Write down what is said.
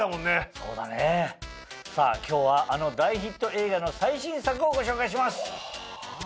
そうだねさぁ今日はあの大ヒット映画の最新作をご紹介します。